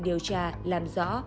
điều tra làm rõ